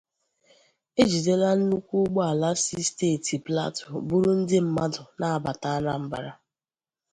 E jidela nnukwu ụgbọala si na steeti Plateau buru ndị mmadụ na-abata Anambra